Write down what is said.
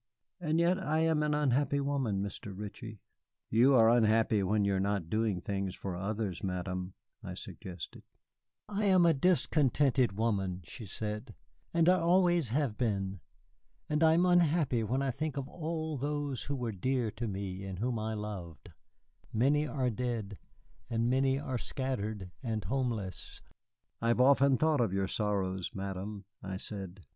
And yet I am an unhappy woman, Mr. Ritchie." "You are unhappy when you are not doing things for others, Madame," I suggested. "I am a discontented woman," she said; "I always have been. And I am unhappy when I think of all those who were dear to me and whom I loved. Many are dead, and many are scattered and homeless." "I have often thought of your sorrows, Madame," I said.